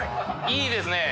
いいですね